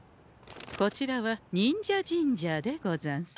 こちらは忍者ジンジャーでござんす。